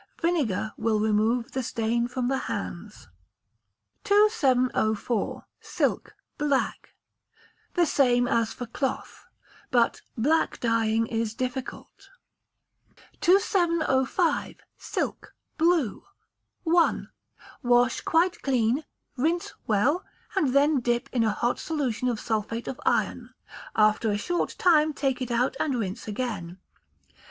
Vinegar will remove the stain from the hands. 2704. Silk (Black). The same as for cloth, but black dyeing is difficult. 2705. Silk (Blue). i. Wash quite clean, rinse well, and then dip in a hot solution of sulphate of iron: after a short time take it out and rinse again.